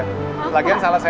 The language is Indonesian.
kamu lagi bawa aku ke rumah